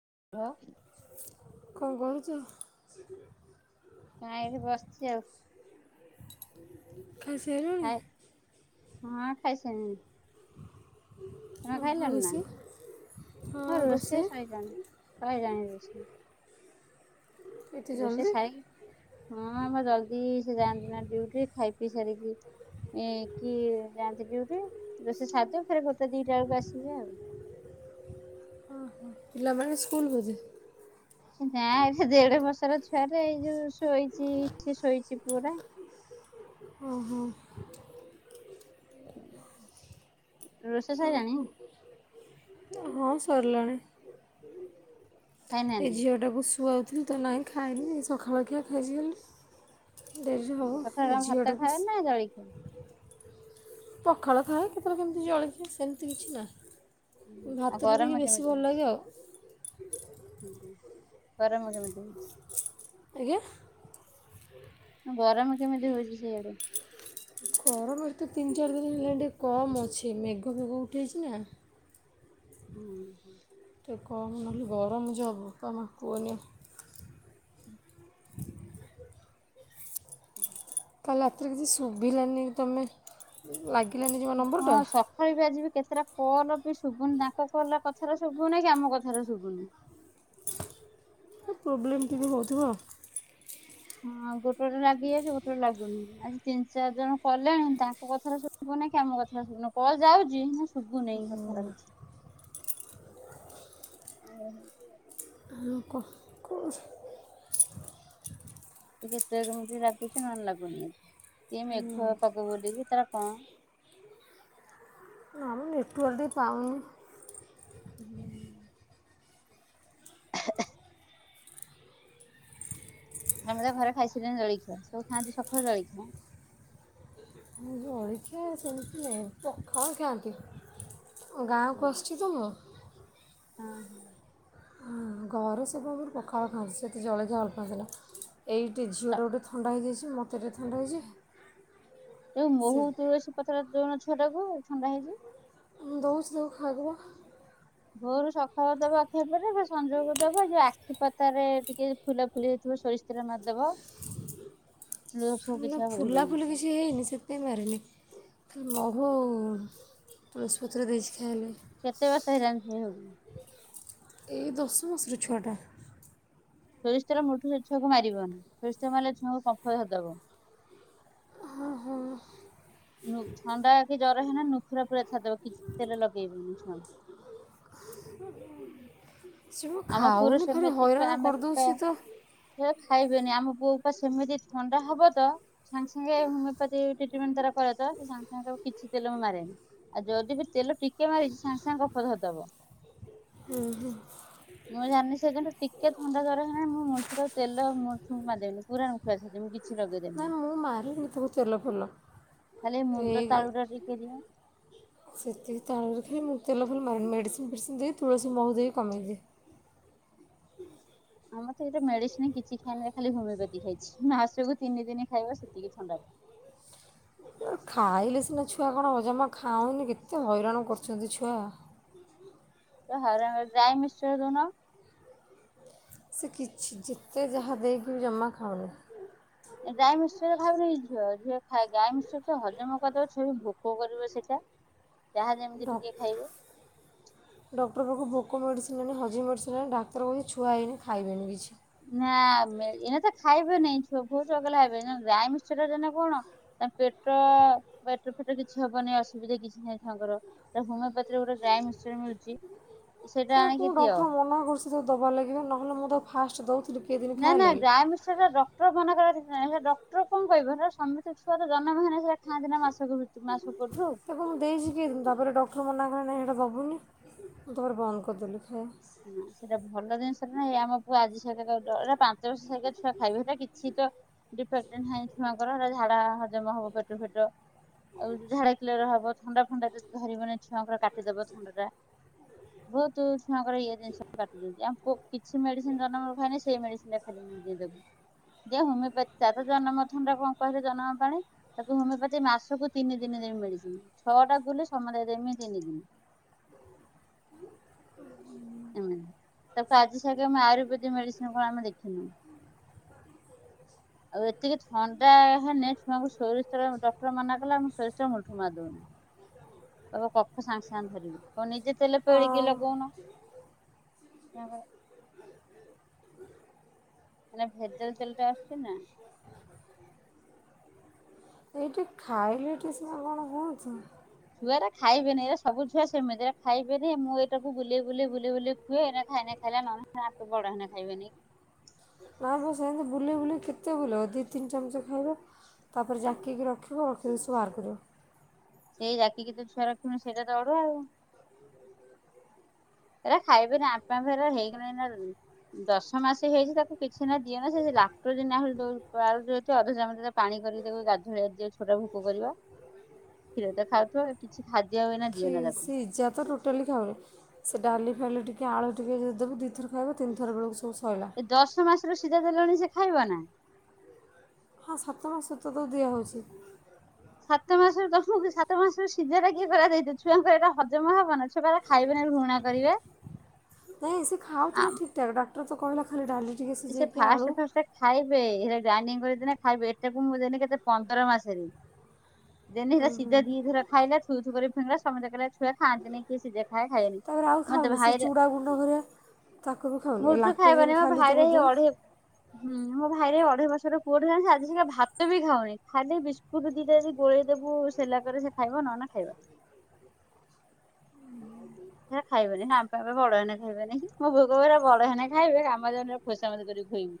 [unintelligible] [unintelligible] ନାଇଁ ଏଠି ବସିଛି ଆଉ। ଖାଇସାରିଲୁଣି? ଖାଇ ହଁ ଖାଇ ସାରିଲିଣି। ଓହୋ ରୋଷେଇ? ହଁ ରୋଷେଇ ସରିଲାଣି ହଁ ସରିଲାଣି। ଏତେ ରୋଷେଇ ଜଲ୍ଦି ସାରିକି ହଁ ଆମ ଜଲଦି ସେ ଯାଆନ୍ତି ନା ଡ୍ୟୁଟି ଖାଇ ପିଇ ସାରି କି ଏମିତି ଯାଆନ୍ତି ଡ୍ୟୁଟି ରୋଷେଇ ସାରିଦଉ ଫେରେ ଗୋଟେ ଦିଟା ବେଳକୁ ଆସିବେ ଆଉ। ଓ ହୋ, ପିଲା ମାନେ ସ୍କୁଲ ବୋଧେ? ନାଇଁ ଏବେ ଦେଢ଼ ବର୍ଷ ତାର ଛୁଆ ଟେ ଏଇଠି ଯୋଉ ଶୋଇଛି ସେ ଶୋଇଛି ପୁଅଟା। ଓ ହୋ। ରୋଷେଇ ସରିଲାଣି? ହଁ ସରିଲାଣି, ଏ ଖାଇନାହାନ୍ତି ଝିଅ ଟାକୁ ଶୁଆ ଥିଲି ତ ନାହିଁ ଖାଇନି ସକାଳଖିଆ ଖାଇଛି ଖାଲି। ଡେରିରେ ହବ ସକାଳେ ଏ କଣ ଭାତ ଝିଅଟାକୁ ଖାଅ ନା ଶୁ ଜଳଖିଆ ପଖାଳ ଖାଏ କେତେବେଳେ କେମିତି ଜଳଖିଆ ସେମିତି କିଛି ନାହିଁ। ଆଉ ଭାତରେ ଗରମ ଟିକେ ବେଶୀ କେମିତି ଭଲ ଲାଗେ ଆଉ। କରେ ମୁ ସେମତି କିଛି ଆଜ୍ଞା? ଗରମ କେମିତି ହଉଛି ସିଆଡେ? ଗରମ ଏତେ ତିନି ଚାରି ଦିନ ହେଲାଣି ଟିକେ କମ୍ ଅଛି ମେଘ ଫେଘ ଉଠେଇଛି ନା। ହୁଁ ହୁଁ। କଣ ଖାଲି ଗରମ ଯୋଗୁ ବୋପା ମା କୁହନି। [unintelligible] [unintelligible] କାଲି ରାତିରେ କିଛି ଶୁଭିଲାନି ତମେ ଲାଗି ହଁ ସକାଳ ବି ଆଜିିବି କେତେଟା। କଲ ବି ଶୁଭୁନି ତାଙ୍କ କଲ କଥାହେଲେ ଶୁଭୁନି କି ଆମ କଥାରେ ଶୁଭୁନି। ପ୍ରୋବ୍ଲେମ୍ ଟିକେ ହଉଥିବ ଆଉ। ହଁ ଗୋଟେ ଗୋଟେ ଲାଗି ଯାଉଛି ଗୋଟେ ଗୋଟେ ଲାଗୁନି ଆଜି ତିନି ଚାରି ଜଣ କଲେଣି ତାଙ୍କ କଥାରେ ସ ଶୁଭୁନି କି ଆମ କଥା ଶୁଭୁନି କଲ ଯାଉଛି। ଶୁଭୁ ନେଇ କଥାର କିଛି। ଆଉ କ। କ- ଟିକେ ପେକ ଲାଗୁଛି ନହେଲେ ଲାଗୁନି। କି ମେଘୁଆ ପାଗ ବୋଲି କି ତାର କଣ। [unintelligible] କରିଦି ପାଉନି। ହୁଁ। [unintelligible] ସମତେ ଘରେ ଖାଇସାରିଲେଣି ଜଳଖିଆ ସବୁ ଖାଆନ୍ତି ସକାଳୁ ଜଳଖିଆ। ଦେଖିଆ ସେମିତି ନାହିଁ ପଖାଳ ଖାଆନ୍ତି। ଗାଁକୁ ହୁଁ। ଆସିଛି ତ ମୁଁ। ହଁ ହୁଁ। ଘରେ ସବୁ ଆମର ପଖାଳ ଖାଆନ୍ତି ସେଠି ଜଳଖିଆ ଭଲ ପାନ୍ତିନି। ଏଇିଠି ଝିଅଟାକୁ ଟିକେ ଥଣ୍ଡା ହୋଇଯାଇଛି ମୋ ଯଉ ସେ ମହୁ ତୁଳସୀ ପତ୍ର ଦୋଉନା ଛୁଆଟାକୁ ଥଣ୍ଡା ହେଇଛି। ଦଉଛି ତାକୁ ଖାଇବାପା। ଭୋରୁ ସଫା କରିଦବ ଆଖି ଉପରେ ବା ସଂଜକୁ ଦବ ଯୋଉ ଆଖି ପତାରେ ଟିକେ ଫୁଲା ଫୁଲି ହେଇଥିବ ସେ ସୋରିଷ ତେଲ ମାରିଦବ। ଲୁହ ଫୁହ କିଛି ଆଉ ହେବନି ଫୁଲାଫୁଲି ଛୁଆ କିଛି ହେଇନି ସେଥିପାଇଁ ମାରିନି। ମହୁ ଆଉ ତୁଳସୀ ପତ୍ର ଦେଇଛି ଖାଇଆଲାଗି। କେତେ ବର୍ଷ ହେଲାଣି ଝିଅକୁ? ଏଇ ଦଶ ମାସର ଛୁଆଟା। ସୋରିଷ ତେଲ ମଟୁରୁ ଛୁଆକୁ ମାରିବନି ସୋରିଷ ତେଲ ମାରିଲେ ଛୁଆଙ୍କୁ କମ୍ଫ ଧରିଦବ। ହଁ। ଥଣ୍ଡା କି ଜର ହେନା ନୁଖୁରା ଫୁରା ଛାଡିଦବ କିଛି ତେଲଗେଇବନି ଛୁଆଙ୍କୁ। [inaudible] ସେ ମୁଁ ଆମ ପୁର ଖାଉନି ଭାରି ସେମିତି ହଇରାଣ ଆମେତ କରିଦେଉଛି ତ ଖାଇବେନି ଆମ ପୁଅ ପା ସେମିତି ଥଣ୍ଡା ହବ ତ ସାଙ୍ଗେ ସାଙ୍ଗେ ହୋମିଓପାଥି ଟ୍ରିଟମେଣ୍ଟ ତାର କରା ସେ ସାଙ୍ଗେ ସାଙ୍ଗ ତାକୁ କିଛି ତେଲ ମୁଁ ମାରେନି, ଆଉ ଯଦି ବି ତେଲ ଟିକେ ମାରିଛି ସାଙ୍ଗେ ସାଙ୍ଗେ କଫ ଧରିଦବ। ହୁଁ ହୁଁ। ମୁଁ ଜାନି ସେଦିନଠୁ ଟିକେ ଥଣ୍ଡା ଧରେ କି ନାହିଁ ମୁଁ ମୁଥ ତେଲ ମୁଠୁକୁ ମାରିଦେବି ପୁରା ନୁଖୁରା ଛାଡିଦେବି। କିଛି ଲଗେଇ ଦେମିନି। ସବୁ ତେଲ ଫୁଲ ଖାଲି ମୁଣ୍ଡ ଏଇ ତାଳୁଟା ଟିକେ ଦିଅ। ସେତିକି ତାଳରେ ଖାଲି ମୁଁ ତେଲ ଫେଲ ମା-ମେଡ଼ିସିନ୍ ଫେଡ଼ିସିନ୍ ଦେଇି ତୁଳସୀ ମହୁ ଦେଇ କମେଇି ଦିଏ। ଆମର ତ ଏଇଟା ମେଡିସିନ କିଛି ଖାଇନି ଖାଲି ହୋମିଓପାଥି ଖାଇଛି ଆସିବାକୁ ତିନି ଦିନ ଖାଇବା ସେତିକି ଥଣ୍ଡା। ହଁ ଆ ଖାଇଲେ ସିନା ଛୁଆ କଣ ଅଜମା ଖାଉନି କେତେ ହଇରାଣ କରୁଛନ୍ତି ଛୁଆ। ହର ଗାଈ ମିଶ୍ଚର ଦଉନ? ସେ କିଛି ଯେତେ ଯାହା ଦେଇକି ଜମା ଖାଉନି। ଗାଈ ମିଶ ଖାଇବ ଇ ଝିଅ ଝିଅ ଗାଈ ମିଶ ହଜମ କରିଦବ ଛିଅ ବି ଭୋକ କରିବ ସେଇଟା। ଯାହା ଯେମିତି ଟିକେ ଖାଇବେ ଡକ୍ଟର ପାଖ କୁ ଲୋକ ମେଡ଼ିସିନେ ହଜି ମେଡ଼ିସିନେ ଡାକ୍ତରହୁଛି ଛୁଆଇନ ଖାଇବେନି କିଛି। ନା ଏଇନା ତ ଖାଇବେ ନାଇଁଛ ବହୁତ ଚଗଲା ଖାଇବେ ଗାଈ ମିଶ ଜ କଣ ତା ପେଟ ପେଟ ଫେଟ କିଛି ହବନହିଁ ଅସୁବିଧା କିଛି ନାହିଁ ତାଙ୍କର ହୋମିପଥି ଗୋଟେ ଗ୍ରାଇମିକ୍ସର ମିଳୁଛି। ସେଇଟା ସେ ଆଣିକି ଦିଅ ଡକ୍ଟର ମନା କରୁଛି ଯେ- ଦେବା ଲାଗିବେ ନହେଲେ ମୁଁ ତ ଫାଷ୍ଟ ଦେଉଛି ନା ନା ଗ୍ରାଇମିଶ୍ଚର ଡକ୍ଟର ମନାକରୁଛନ୍ତି। ନାଇଁ ସେଇା ଡକ୍ଟର କଣ କହିବ ନା ସମତି ତ ଜନ ମହେ ଏ ଦେଇଛି କି ତାପରେ ଡକ୍ଟର ମନକଲେ। ହେଲା ବାବୁନି, ମୁଁ ତୁମର ବନ୍ଦ କରିଦେଲି ଖାଇବା ହଁ ସେଇଟା ଭଲ ଜିନିଷଟାଇ ଆମ ପୁ ଆଜି ସାରିକା ପାଞ୍ଚ ବର୍ଷ ସାାଇା ଛୁଆ ଖାଇବି ହେଲେ କିଛି ତ ଡିଫେକ୍ଟ ନାଁ ଛୁଆଙ୍କର ହେ ା ହଜମ ହବ। ପେଟ ଫେଟ ଝାଡ଼ା କ୍ଲିୟର ର ହବ ଥଣ୍ଡା ଫଣ୍ଡା ଯଦି ଧରିବନି ଛୁଆଙ୍କର କାଟିଦବ ଥଣ୍ଡା ଟା ବହୁତ। ଇଏ ଜିନିଷ କାଟି ଦଉଛି ଆ କିଛି ମେଡିସିନ ଦର ଖାଇନି ସେଇ ମେଡିସିନ ରେ ଖାଲି ମୁଁ ଦେଇଦେବୁ। [unintelligible] ହୋମିଓପାଥି ତା ଜନ୍ମଥନ କଣ କହିଲେ ଜନ୍ମ ପାଣି ତାକୁ ହୋମିଓପାଥି ମାସକୁ ତିନି ଦିନ [unintelligible] ହୁଁ ଏମତି ତାକୁ ଆଜି ସାଙ୍ଗେ ଆମେ ଆୟୁର୍ବେଦିକ ମେଡିସିନ କଣ ଆମେ ଦେଖିନୁ। [inaudible] ଆଉ ଏତିକି ଥଣ୍ଡା ହେନେ ଛୁଆ କୁ ସୋରିଷ ତେଲ ଡକ୍ଟର ମନା କଲା ଆମେ ସୋରିଷ ତେଲ ମୋଟରୁ ମାରି ଦୋଉ ନା। ହ ତବ କଫ ସାଙ୍ଗେ ସାଙ୍ଗେ ଧରିବ କଣ ନିଜେ ତେଲ ପେଡେଇକି ଆଉ ଲଗଉନ। [unintelligible] ମାନେ ଭେଜାଲ ତେଲ ଟା ଆସୁଛି ନା? ଏଇଠି ଖାଇଲେ ଏଠି ସିନା କଣ କହୁଛି? ଛୁଆରା ଖାଇବେନି, ଏ ସବୁ ଛୁଆ ସେମିତି, ଏରା ଖାଇବେନି, ମୁଁ ଏଇଟାକୁ ବୁଲେଇ ବୁଲି ବୁଲି ବୁଲି ଖୁଏ। ଖାଇ ଖାଇଲା ନ ଖାଇ ବଡ ହେ ଖାଇବେ ନାଇକ କି? [inaudible] ଆ ହୁ ସେଆ ନା ବା ସେମିତି ବୁଲେଇ ବୁଲେଇ କେତେ ବୁଲିବ ଦୁଇ ତିନି ଚାମଚ ଖାଇବ ତାପରେ ଜାକିକି ରଖିବ। ପକ୍ଷୀରୁ ସୁବାର କରୁ [unintelligible] ସେଇ ଜାକିକି ତ ଛୁଆ ରଖିବନି ସେଇଟା ତ ଅଡ଼ୁଆ ଆଉ। ହେରା ଖାଇବେନି ଆପା ଫର ହେଇଗଲେଣି ନା ଦଶ ମାସ ହେଇଛି ତାକୁ କିଛି ନା ଦିଅନ ସେ। ଲାକ୍ଟୋଜିନ୍ ଆହୁରି ଦୋଉ-ଉଛୁ ଅଧ ଚାମଚ ନା ପାଣି କରିକି ଗାଧୁଆବେଳେ ଛୁଆଟା କୁ ଭୋକ କରିବ। କ୍ଷୀରଦ ଖାଉଥ କିଛି ଖା୍ୟ [unintelligible] କି ସେ ସିଜା ତ ଟୋଟାଲି ଖାଉନି ସେ ଡାଲି ଡାଲି ଟିକେ, ଆଳୁ ଟିକେ, ଯଦି ଦବୁ ଦୁଇ ଥର ଖାଇବ ତିନିଥର ବେଳକୁ ସୁ ଏ ଦଶ ମାସରୁ ସିଧା ଦେଲଣି, ସେ ଖାଇବ ନା ହଁ ସାତମାସ ରୁ ତ ଦିଆହେଉଛି। ସାତ ମାସରୁ, ତମକୁ ସାତ ମାସରୁ ସିଝାଟା କିଏ କହିଲା ଦେଇଦେ, ଛୁଆଙ୍କର ଏଟା ହଜମ ହବନା, ଛୁଆପା ଏରା ଖାଇବେନି। ଘୃଣା କରିବେ। ନାଇଁ ସେ ଖାଉ ଥିଲେ ଆମ ଠିକ ଠାକ୍, ଡାକ୍ଟର ତ କହିଲ ଖା ଡାଲି ଟିକେ ସେ ସିଝେଇକି ଫାଷ୍ଟ ଆଳୁ ଫାଷ୍ଟ ଖାଇବେ, ସେଇଟା ଗ୍ରାଇଣ୍ଡି କରି ନା ଖାଇବେ ଏଇଟାକୁ ମୁଁ ଦେଲି କେତେ ପନ୍ଦର ମାସରେ। [unintelligible] ଛୁଆ ଖାଆନ୍ତିନି କିଏ ସିଝା ଖାଏ ଖାାଇନି ତାପରେ ଆଉ ମତେ ଖାଉନି ସେ ଭାରି ଚୁଡ଼ା ଗୁଣ୍ଡ କରିବା ତାକୁ ବି ଖାଉନି ଏ ଲାକ୍ଟୋ ଜିନ ଖାଲି ଆରେ ତାକୁ ଏଇ ଦେବେ ଅଢ଼େଇ ହୁଁ ମୋ ଭାଇରେ ଅଢ଼େଇ ବର୍ଷର ପୁଅଟେ ହେଲାନି ସେ ଆଜିିଯାଏ ଭାତ ବି ଖାଉନି ଖାଲି ବିସ୍କୁଟ ଦିଟିଯଦି ଗୋଳେଇ ଦେବୁ କୁ ସେଲାକ୍ ରେ ସେ ଖାଇବ ନହେଲେ ସେ ଖାଇବନି। ହୁଁ। ସେ ଖାଇବନି ନା ପା ଏବେ ବଡ଼ ହେଲାନି ଖାଇବେନି ମୋ ବୋଉ କହିବ ଏଇଡା ବଡ ହେବେ ଖାଇବେ ଆମେ ଜେନେ ଖୋସାମତ କରି ଖୁଆଇବି।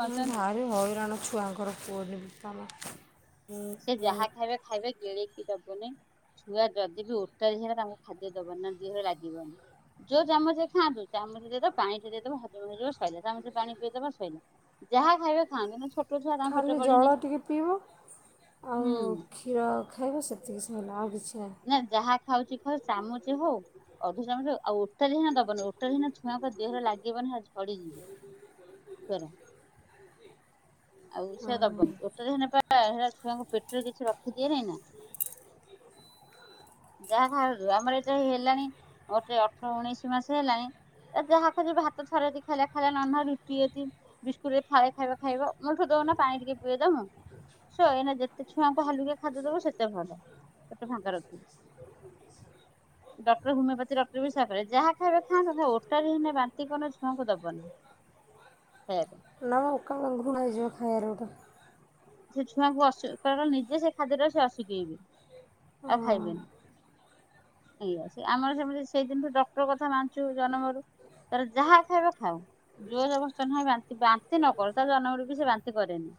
ମୁ ଭାରି ହଇରାଣ ଛୁଆଙ୍କର କୁଅନି ବୋପା ମା। ସେ ଯାହା ଖାଇବେ ଖାଇବେ ଗିଳିକି। ଦବନି ଛୁଆ ଯଦି ବି ଓକାଳୀ ହେଲା ତାଙ୍କୁ ଖାଦ୍ୟ ଦବନି ନହଲେ ଦେହରେ ଲାଗିବନି। ଯୋଉ ଚାମଚ ଖାଆନ୍ତୁ ଚାମଚ ଦେଇଦବା ପାଣି ଟ ଦେଇଦବ ହଜମ ହେଇଯିବ ସୋଇଲା ଚାମରେ ପାଣି ପିଆଇଦବ ସଇଲା। ଯାହା ଖାଇବେ ଖାଆନ୍ତୁ ନା ଛୋ ଖାଲି ଜଳ ଟିକେ ପିଇବ। ଆଉ ହୁଁ କ୍ଷୀର ଖାଇବ ସେତିକି ସଇଲା ଆଉ କିଛି ନାହିଁ ନା ଯାହା ଖାଉଛି ଖାଉ ଚାମଚ ହଉ ଅଧ ଚାମଚ ହଉ ଓଟାରିନା ଦବନି ଓଟାରିନା ଛୁଆଙ୍କ ଦେହରେ ଲାଗିବନି। ଝଡିଯିବେ। ଆଉ ସେ ଦବନି ହଁ ଓଟରିହିନା ପା ହେରା ଛୁଆଙ୍କୁ ପେଟରେ କିଛି ରଖିଦିଏନାଇଁ ନା। ଯାହା ଧାରୁ ଆମର ଏଟା ହେଲାଣି ଗୋଟେ ଅଠର ଉଣେଇଶି ମାସେ ହେଲାଣି। ଯାହା ଖାଉଛି ଭାତ ଥରେ ଯଦି ଖାଇଲେ ଖାଇଲା ନହେଲେ ନାଇଁ ରୁଟି ଯଦି ବିସ୍କୁଟ ରେ ଫାଳେ ଖାଇବ ଖାଇବ ମୋଠୁ ଦ ମାନେ ପାଣି ଟିକେ ପିଇଦବୁ ସ ଏଇନା ଯେତେ ଛୁଆଙ୍କୁ ହାଲୁକିଆ ଖାଦ୍ୟ ଦବୁ ସେତେ ଭଲ। ପେଟ ଫାଙ୍କା ରଖିବୁ। ସ [inaudible] ଡକ୍ଟର ହୋମିଓପାଥି ଡକ୍ଟର ବିିା ସେଇଆ କହିଲେ ଯାହା ଖାଇବେ ଖାଆନ୍ତୁ ଓଟାରି ହେନେ ବାନ୍ତି କଲେ ଛୁଆଙ୍କୁ ଦବନି। ଫେର, ନା ମ ଓକାଳ ଘୃଣା ଯିବ ଖାଇବାରେ ଗୋଟେ। ସେ ଛୁଆଙ୍କୁ ଅସୁ କାରଣ ସେ ନିଜେ ସେ ଖାଦ୍ୟଟାକୁ ସେ ଅସୁକେଇବେ। ହଁ। ଏଇଆା ସେ ଆମର ସେମିତି ସେଇଦିନଠୁ ଡକ୍ଟର କଥା ମାନୁଛୁ ଜନ୍ମରୁ। ତାର ଯାହା ଖାଇବ ଖାଉ ଯୋରଜବର୍ଦସ୍ତ ନୁହଁ ବାନ୍ତି ବାନ୍ତି ନକରୁ ତା ଜନମରୁ ବି ସେ ବାନ୍ତି କରେନି।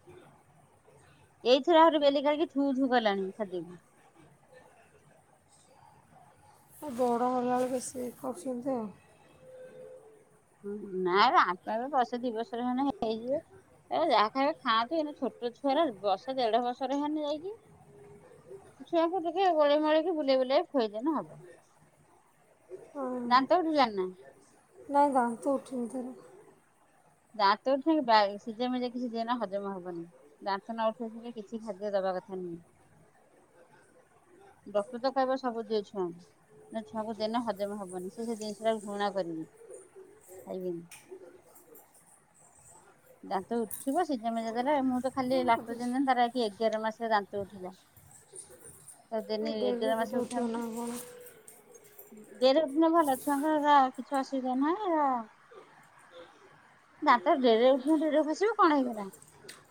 ଏଇଥରେ ଆହୁରି ବେଲି କାଢିକି ଥୁ ଥୁ କଲାଣି ଖାଦ୍ୟକୁ। ଆ ବଡ଼ ହେଲା ବେଳେ ବେଶି କରୁଛନ୍ତି ଆଉ। ନାଇଁ ଆର ତ ଏବେ ବର୍ଷେ ଦି ବର୍ଷର ଖଣ୍ଡେ ହେଇଯିବ। ଏ ଯାହା ଖାଇବେ ଖାଆନ୍ତୁ ଏଇନା ଛୋଟ ଛୁଆର ବର୍ଷେ ଦେଢ ବର୍ଷରେ ହେନେ ଯାଇକି। ଛୁଆଁ ଙ୍କୁ ଟିକେ ଗୋଲେଇ ମୋଳେଇକି ବୁଲେଇ ବୁଲାକି ଖୁଆଇଦେଲେ ହବ। ହଁ ଦାନ୍ତ ଉଠିଲାଣି ନା? ପୁଣିଥରେ। ଦାନ୍ତ ଉଠିନି ସିଝା ମିଝା କିଛି ଦିଅନା ହଜମ ହବନି ଦାନ୍ତ ନ ଉଠେଇ କିଛି ଖାଦ୍ୟ ଦବା। ଦେବାକଥା ନୁହେଁ। ଡକ୍ଟର ତ କହିବ ସବୁ ଦିଅ ଛୁଆଁଙ୍କୁ। ନା ଛୁଆଙ୍କୁ ଦିନେ ହଜମ ହବନି ସେ ସେ ଜିନିଷଟା ଘୃଣା କରିବେ। ଖାଇବେନି। ଦାନ୍ତ ଉଠିବ। ସିଜା ମିଜା ଦେଲେ ମୂଁ ତ ଖାଲି ମନେ କରିଦେଇଛି ଲାକ୍ଟୋଜିନ ତାର ଏକି ଆଗରେ ମାସ ତା ଦାନ୍ତ ଉଠିଲା। ତ ଏ ଦେନି ଡେରିରେ ଏଗାର ମାସ ବୋଧେ ଉଠିବ ନା ଉଠାନ୍ତି କ'ଣ ଦେହର ଦିନ ଭଲ ଛୁଆଙ୍କର ହେରା କିଛି ଅସୁବିଧା ନାହିଁହେରା ଦାନ୍ତ ଡେରିରେ ଡେରିରେ ଖସିବ କଣ ହେଇଗଲା।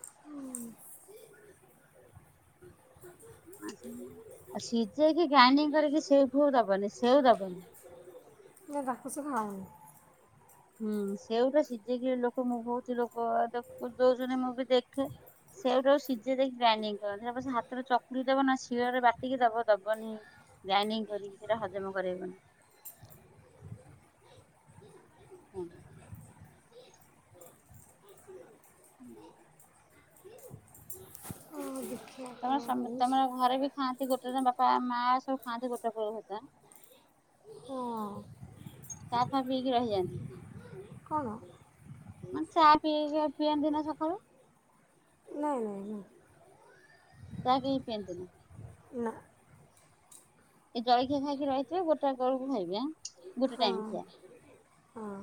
ହୁଁଅ ଆଉ ସିଝେଇକି ଗ୍ରାଇଡିଙ୍ଗ କରିକି ସେଉ ଫେଉ ଦବନି ସେଉ ଦବନି। ଏ ତାକୁସେ ଖାଉନି। ହୁଁ ସେଉଟା ସିଝିକି ଲୋକ ମୁଁ ବହୁତ ଲୋକ ଦେ ଦୋଉ ଜଣ ମୁଁ ବି ଦେଖେ। ସେଉଟାକୁ ସିଝେଇ ଦେଇକି ଗ୍ରାଇଂଡିଙ୍ଗ କରନ୍ତି ସେ ପଛେ ହାତରେ ଚକୁଡି ଦବ ନା ଶିଳରେ ବାଟିକି ଦବ ଦବନିଁ ଗ୍ରାଇଂଡିଙ୍ଗ କରିକି ସେଇଟା ହଜମ କରେଇବନି। ହୁ ହୁ ହୁଁ ହୁଁ ଓ ଦେ ତମର ସମ ତମର ଘରେ ବି ଖାଆନ୍ତି ଗୋଟେ ବାପା, ମା ସବୁ ଖାଆନ୍ତି ଗୋଟେ ପରେ ଭାତ ଆଁ ହଁ ଚା ଫା ପିଇକି ରହିଯାଆନ୍ତି। କ'ଣ ନାଇଁ ମାନେ ଚା ପିଇକି ପିଅନ୍ତି ନା ସକାଳୁ? ନାଇଁ ନାଇଁ ତା କେହି ପିଅନ୍ତିନି। ନା ଏ ଜଳଖିଆ ଖାଇକି ରହିଥିବେ ଗୋଟାଏ ବେଳକୁ ଖାଇବେ ଆଁ ଗୋଟେ ହଁ ଟାଇମ ଖିଆ ହଁ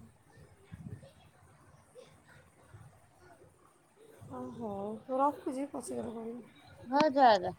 ହୁଁ [unintelligible] ହ ହଉ ମୁଁ ରଖୁଛିି ପଛେଗଲେ କରିବି। ହଁ ଯା ଯା